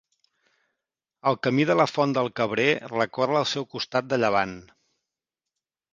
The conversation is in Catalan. El Camí de la Font del Cabrer recorre el seu costat de llevant.